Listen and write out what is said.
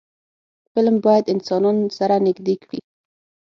فلم باید انسانان سره نږدې کړي